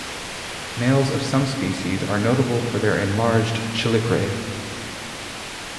Males of some species are notable for their enlarged chelicerae.